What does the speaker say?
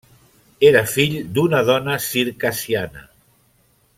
Era fill d'una dona circassiana.